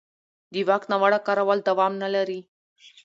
د واک ناوړه کارول دوام نه لري